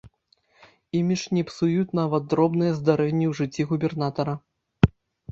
Імідж не псуюць нават дробныя здарэнні ў жыцці губернатара.